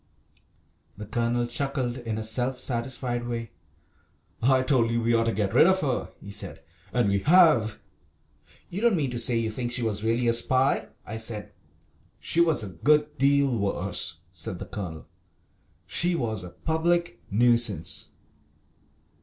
The Colonel chuckled in a self satisfied way. "I told you we ought to get rid of her," he said, "and we have." "You don't mean to say you think she was really a spy?" I said. "She was a good deal worse," said the Colonel; "she was a public nuisance."